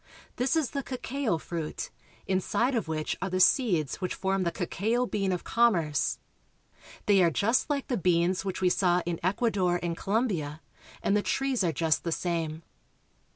This is the cacao fruit, inside of which are the seeds which form the cacao bean of commerce. They are just like the beans which we saw in Ecuador and Colombia, and the trees are just the same.